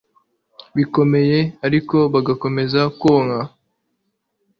bikomeye, ariko bagakomeza konka